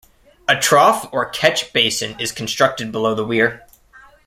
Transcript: A trough or catch basin is constructed below the weir.